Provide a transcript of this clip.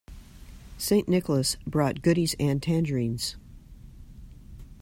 St. Nicholas brought goodies and tangerines.